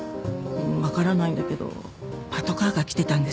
分からないんだけどパトカーが来てたんですって。